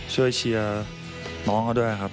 เชียร์น้องเขาด้วยครับ